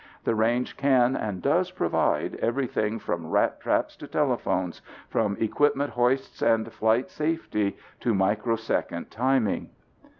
The range can and does provide everything from rat traps to telephones, from equipment hoists and flight safety to microsecond timing.